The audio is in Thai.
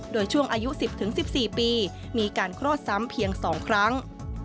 โดยช่วงอายุ๑๐๑๔ปีมีการคลอดซ้ำเพียง๒ครั้ง